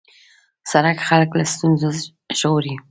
سړک خلک له ستونزو ژغوري.